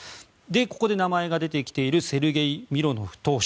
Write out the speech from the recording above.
ここで名前が出てきているセルゲイ・ミロノフ党首。